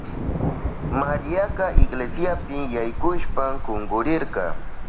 Mariaka iglesiapi yaykushpan kunkurirka.